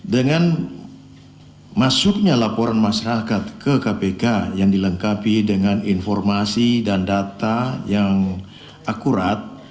dengan masuknya laporan masyarakat ke kpk yang dilengkapi dengan informasi dan data yang akurat